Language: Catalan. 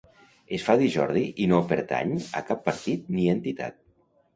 Es fa dir Jordi i no pertany a cap partit ni entitat.